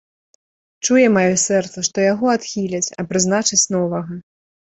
Чуе маё сэрца, што яго адхіляць, а прызначаць новага.